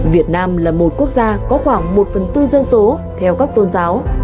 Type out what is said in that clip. việt nam là một quốc gia có khoảng một phần tư dân số theo các tôn giáo